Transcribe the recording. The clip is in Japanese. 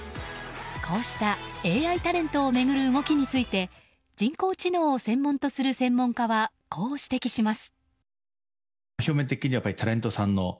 こうしたＡＩタレントを巡る動きについて人工知能を専門とする専門家はこう指摘します。